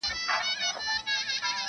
• ورته پسونه او نذرونه راځي -